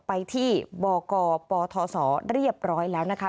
ไปที่บกปทศเรียบร้อยแล้วนะคะ